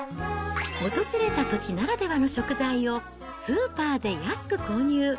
訪れた土地ならではの食材をスーパーで安く購入。